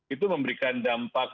itu memberikan dampak